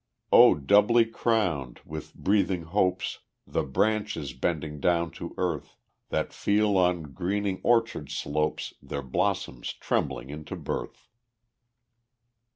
O doubly crowned, with breathing hopes The branches bending down to earth, That feel on greening orchard slopes Their blossoms trembling into birth.